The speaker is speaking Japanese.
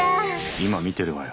今見てるわよ。